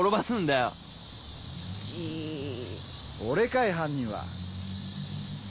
俺かい犯人は。